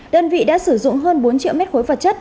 đơn vị đã sử dụng hơn bốn triệu mét khối vật chất